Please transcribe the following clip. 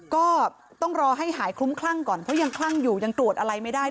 ก็ต้องรอให้หายคลุ้มคลั่งก่อนเพราะยังคลั่งอยู่ยังตรวจอะไรไม่ได้